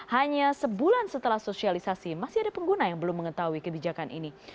hanya sebulan setelah sosialisasi masih ada pengguna yang belum mengetahui kebijakan ini